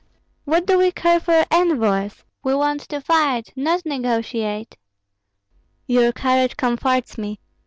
"What do we care for envoys! We want to fight, not to negotiate!" "Your courage comforts me.